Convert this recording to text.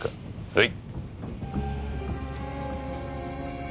はい。